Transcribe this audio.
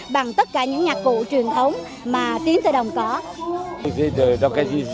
bằng tất cả những nhạc cụ truyền thống mà tiến tơ đồng có